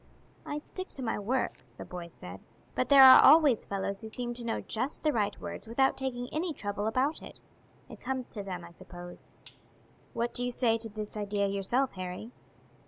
"I stick to my work," the boy said; "but there are always fellows who seem to know just the right words without taking any trouble about it. It comes to them, I suppose." "What do you say to this idea yourself, Harry?"